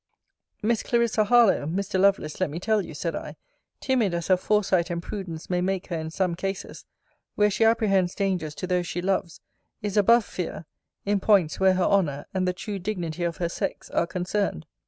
Miss Clarissa Harlowe, Mr. Lovelace, let me tell you, said I, timid as her foresight and prudence may make her in some cases, where she apprehends dangers to those she loves, is above fear, in points where her honour, and the true dignity of her sex, are concerned.